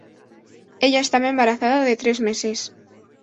Ella estaba embarazada de tres meses.